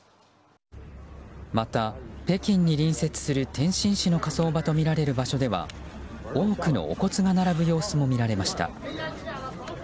また、北京に隣接する天津市の火葬場とみられる場所では多くのお骨が並ぶ様子も見られました。